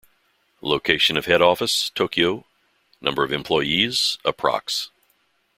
Location of head office: Tokyo, Number of employees: Approx.